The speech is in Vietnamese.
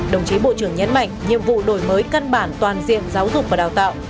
đồng chí bộ trưởng nhấn mạnh nhiệm vụ đổi mới căn bản toàn diện giáo dục và đào tạo